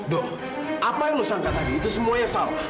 do apa yang lu sangka tadi itu semuanya salah